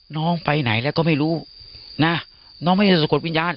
น้องไปไหนแล้วก็ไม่รู้นะน้องไม่ได้สะกดวิญญาณ